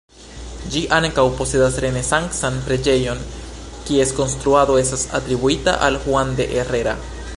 Ĝi ankaŭ posedas renesancan preĝejon kies konstruado estas atribuita al Juan de Herrera.